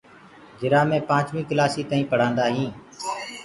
جِرا مي پانچوين ڪلاسي تائينٚ پڙهاندآ هينٚ